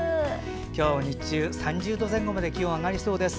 今日、日中３０度前後まで気温上がりそうです。